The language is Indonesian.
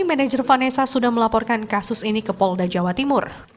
manajer vanessa sudah melaporkan kasus ini ke polda jawa timur